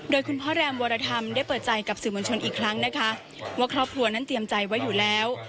โดยคุณพ่อแรมวรธรรมได้เปิดใจกับสื่อมวลชนอีกครั้งนะคะว่าครอบครัวนั้นเตรียมใจไว้อยู่แล้ว